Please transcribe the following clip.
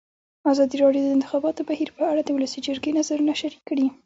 ازادي راډیو د د انتخاباتو بهیر په اړه د ولسي جرګې نظرونه شریک کړي.